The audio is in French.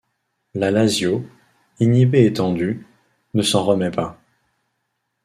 La Lazio, inhibée et tendue, ne s'en remet pas.